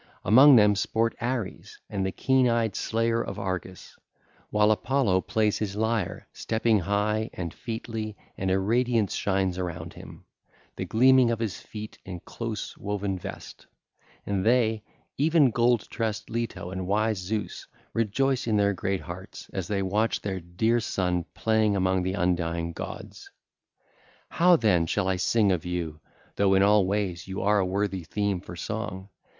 Among them sport Ares and the keen eyed Slayer of Argus, while Apollo plays his lyre stepping high and featly and a radiance shines around him, the gleaming of his feet and close woven vest. And they, even gold tressed Leto and wise Zeus, rejoice in their great hearts as they watch their dear son playing among the undying gods. (ll. 207 228) How then shall I sing of you—though in all ways you are a worthy theme for song?